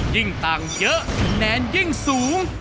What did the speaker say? ยิ่งต่างเยอะคะแนนยิ่งสูง